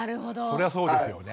そりゃそうですよね。